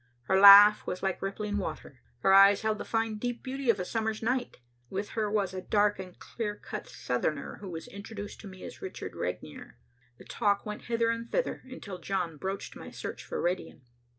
Her laugh was like rippling water. Her eyes held the fine deep beauty of a summer's night. With her was a dark and clear cut Southerner who was introduced to me as Richard Regnier. The talk went hither and thither until John broached my search for radium.